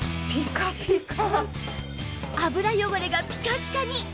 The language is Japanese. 油汚れがピカピカに！